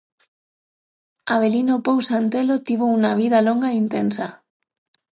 Avelino Pousa Antelo tivo unha vida longa e intensa.